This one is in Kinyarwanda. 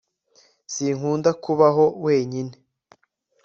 sinkunda kubaho wenyine